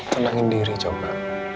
tenangin diri coba